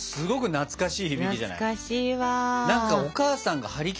懐かしい。